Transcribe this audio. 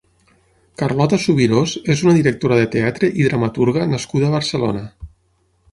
Carlota Subirós és una directora de teatre i dramaturga nascuda a Barcelona.